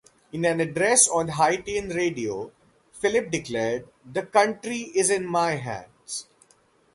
In an address on Haitian Radio, Philippe declared, The country is in my hands.